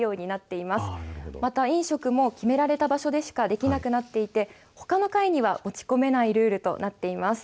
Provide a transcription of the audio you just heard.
また飲食も決められた場所でしかできなくなっていてほかの階には持ち込めないルールとなっています。